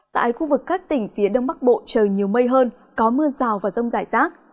tại khu vực các tỉnh phía đông bắc bộ trời nhiều mây hơn có mưa rào và rông rải rác